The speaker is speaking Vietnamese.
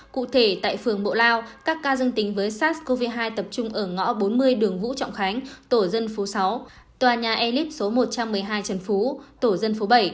cụ thể tại phường bộ lao các ca dương tính với sars cov hai tập trung ở ngõ bốn mươi đường vũ trọng khánh tổ dân phố sáu tòa nhà elite số một trăm một mươi hai trần phú tổ dân phố bảy